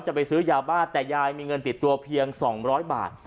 จะไปซื้อยาบ้าแต่ยายมีเงินติดตัวเพียง๒๐๐บาท